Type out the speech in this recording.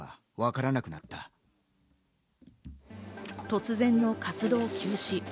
突然の活動休止。